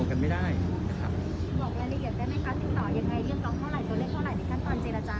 บอกรายละเอียดได้ไหมครับถึงต่อยังไงเรียนตอบเท่าไหร่ตัวเลขเท่าไหร่ในขั้นตอนเจรจา